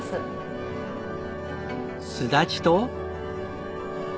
すだちと。